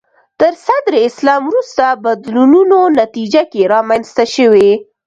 تر صدر اسلام وروسته بدلونونو نتیجه کې رامنځته شوي